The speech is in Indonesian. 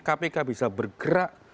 kpk bisa bergerak